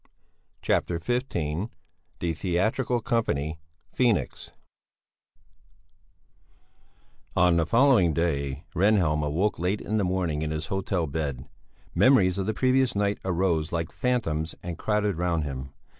CHAPTER XV THE THEATRICAL COMPANY "PHOENIX" On the following day Rehnhjelm awoke late in the morning in his hotel bed. Memories of the previous night arose like phantoms and crowded round him.